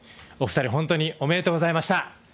お二人、本当におめでとうございました。